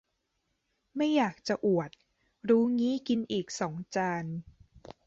ไม่อยากจะอวด รู้งี้กินอีกสองจาน